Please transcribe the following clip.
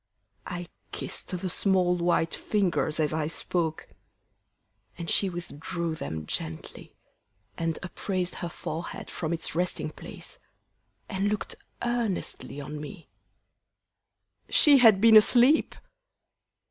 I kiss'd the small white fingers as I spoke, And she withdrew them gently, and upraised Her forehead from its resting place, and look'd Earnestly on me _She had been asleep!